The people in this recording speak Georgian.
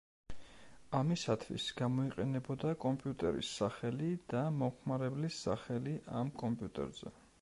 ამისათვის გამოიყენებოდა კომპიუტერის სახელი და მომხმარებლის სახელი ამ კომპიუტერზე.